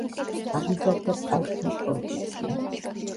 აღიზარდა პაჟთა კორპუსში.